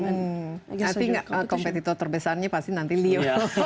nanti kompetitor terbesarnya pasti nanti leo